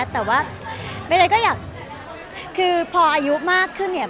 แต่ว่าพออายุมากขึ้นเนี่ย